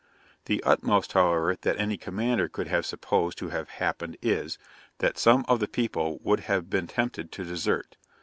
The utmost, however, that any commander could have supposed to have happened is, that some of the people would have been tempted to desert.